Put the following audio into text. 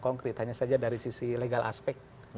konkret hanya saja dari sisi legal aspek